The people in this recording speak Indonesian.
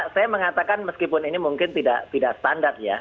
saya mengatakan meskipun ini mungkin tidak standar ya